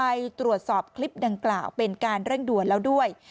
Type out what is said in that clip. ไปตรวจสอบคลิปดังกล่าวเป็นการเร่งด่วนแล้วด้วย